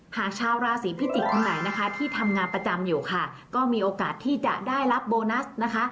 หากชาวราศีพิจิกษ์คนไหนนะคะที่ทำงานประจำอยู่ค่ะก็มีโอกาสที่จะได้รับโบนัสนะคะ